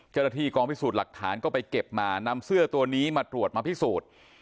เจ้าหน้าที่กองพิสูจน์หลักฐานก็ไปเก็บมานำเสื้อตัวนี้มาตรวจมาพิสูจน์